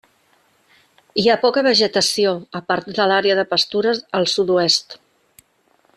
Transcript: Hi ha poca vegetació, a part de l'àrea de pastures al sud-oest.